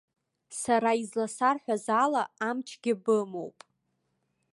Сара изласарҳәаз ала, амчгьы бымоуп.